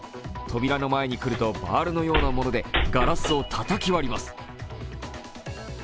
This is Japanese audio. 扉の前に来るとバールのようなものでガラスをたたき割ります。